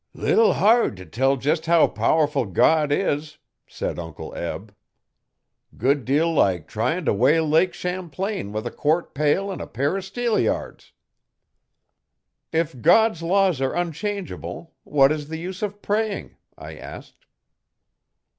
'Leetle hard t' tell jest how powerful God is,' said Uncle Eb. 'Good deal like tryin' t' weigh Lake Champlain with a quart pail and a pair o' steelyards.' 'If God's laws are unchangeable, what is the use of praying?' I asked.